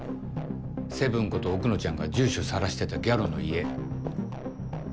ＳＥＶＥＮこと奥野ちゃんが住所さらしてたギャロの家。